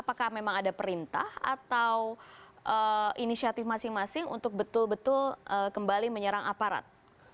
apakah memang ada perintah atau inisiatif masing masing untuk betul betul kembali menyerang aparat